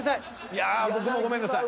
いや僕もごめんなさい。